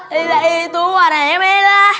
lidah itu warnanya merah